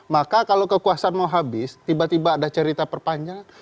maka kalau kekuasaan mau habis tiba tiba ada cerita perpanjangan